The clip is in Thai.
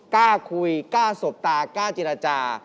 กล้าคุยกล้าสบตากล้าเจรจา